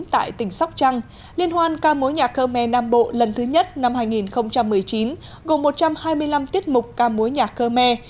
tại tỉnh sóc trăng liên hoan ca mối nhạc cơ me nam bộ lần thứ nhất năm hai nghìn một mươi chín gồm một trăm hai mươi năm tiết mục ca mối nhạc cơ me